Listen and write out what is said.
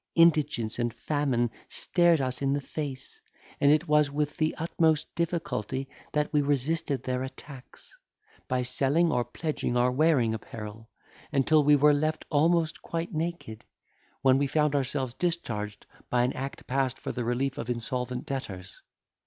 Indigence and famine stared us in the face; and it was with the utmost difficulty that we resisted their attacks, by selling or pledging our wearing apparel, until we were left almost quite naked, when we found ourselves discharged by an act passed for the relief of insolvent debtors.